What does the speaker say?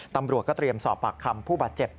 ตำรวจก็เตรียมสอบปากคำผู้บาดเจ็บ